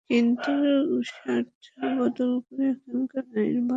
কিন্তু শার্ট বদল করে এখানকার আইন বদলাতে পারবেন না।